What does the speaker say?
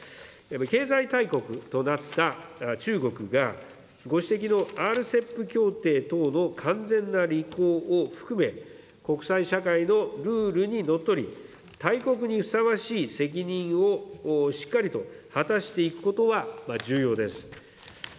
経済大国となった中国が、ご指摘のＲＣＥＰ協定等の完全な履行を含め、国際社会のルールにのっとり、大国にふさわしい責任をしっかりと果たしていくことは重要です。